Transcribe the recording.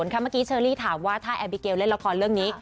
เมื่อกี้เชอรี่ถามว่าถ้าแอบิเกลเล่นละครเรื่องนี้